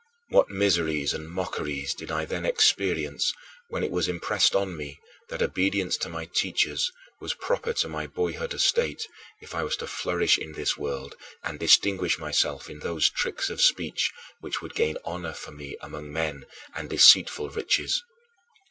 What miseries and mockeries did I then experience when it was impressed on me that obedience to my teachers was proper to my boyhood estate if I was to flourish in this world and distinguish myself in those tricks of speech which would gain honor for me among men, and deceitful riches!